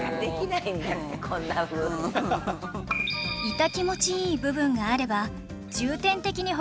痛気持ちいい部分があれば重点的にほぐしましょう